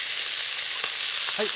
はい。